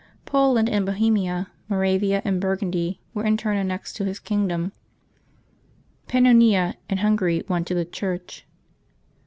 Poland and Bohemia, Moravia and Burgundy, were in turn annexed to his kingdom, Pannonia and Hun gary won to the Church.